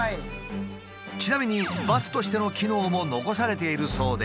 ちなみにバスとしての機能も残されているそうで。